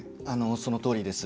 そのとおりです。